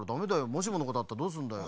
もしものことがあったらどうすんだよ。